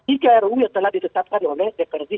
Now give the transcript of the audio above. ikru yang telah disesatkan oleh dprd